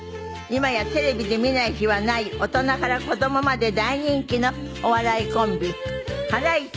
今やテレビで見ない日はない大人から子供まで大人気のお笑いコンビハライチが初登場です。